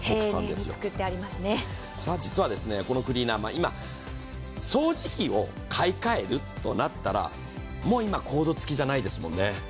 実はこのクリーナー、今、掃除機を買い換えるとなったら、もう今、コードつきじゃないですもんね。